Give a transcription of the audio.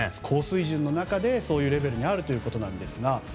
高水準の中でそういうレベルにあるということですが。